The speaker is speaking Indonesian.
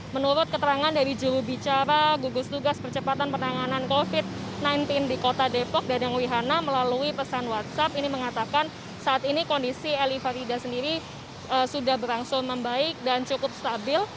menurut keterangan dari jurubicara gugus tugas percepatan penanganan covid sembilan belas di kota depok dadang wihana melalui pesan whatsapp ini mengatakan saat ini kondisi eli farida sendiri sudah berangsur membaik dan cukup stabil